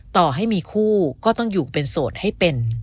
ต่อให้มีคู่ก็ต้องอยู่เป็นโสดให้เป็น